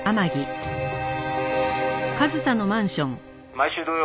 「毎週土曜